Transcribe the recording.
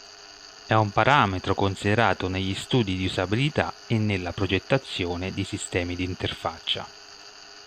È un parametro considerato negli studi di usabilità e nella progettazione di sistemi d'interfaccia.